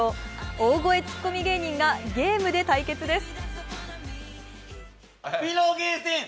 大声ツッコミ芸人がゲームで対決です。